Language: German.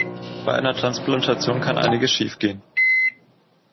Bei einer Transplantation kann einiges schiefgehen.